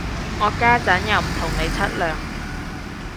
我家陣又唔同你出糧